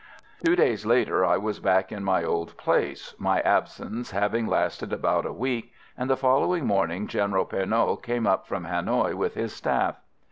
Two days later I was back in my old place, my absence having lasted about a week, and the following morning General Pernot came up from Hanoï with his staff.